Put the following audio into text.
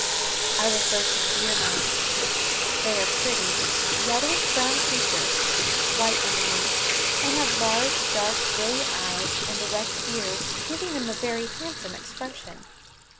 I refer to the deer mice. They are pretty, yellowish brown creatures, white underneath, and have large, dark, brilliant eyes and erect ears giving them a very handsome expression.